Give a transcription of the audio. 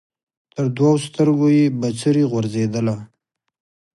تر دوو سترګو یې بڅري غورځېدله